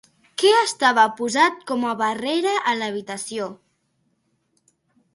Què estava posat com a barrera a l'habitació?